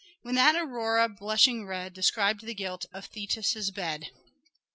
When that Aurora blushing red Descried the guilt of Thetis' bed."